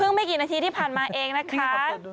ซึ่งไม่กี่นาทีที่ผ่านมาเองนะคะ